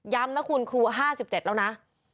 ย้ำนะคุณครูห้าสิบเจ็ดแล้วนะ